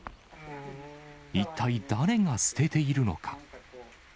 一体誰が捨てているのか。